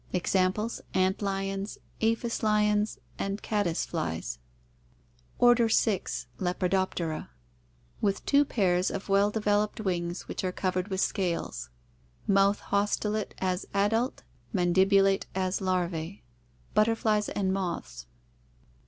Examples: ant lions, aphis lions, and caddice flies. Order 6. Lepidoptera. With two pairs of well developed wings which are covered with scales. Mouth haustellate as adult, mandibulate as larvae. Butterflies and moths.